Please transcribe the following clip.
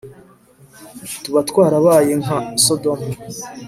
tuba twarabaye nka sodomu